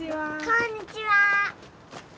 こんにちは。